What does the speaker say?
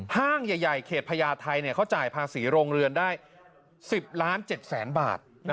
ห้างใหญ่เขตพญาไทยเขาจ่ายภาษีโรงเรือนได้๑๐ล้าน๗แสนบาท